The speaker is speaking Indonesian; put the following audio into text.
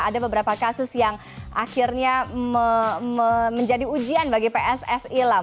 ada beberapa kasus yang akhirnya menjadi ujian bagi pssi lah